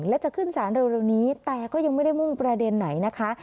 และจะขึ้นสารเร็วนี้แต่ก็ยังไม่ได้มุ่งประเด็นไหนนะคะ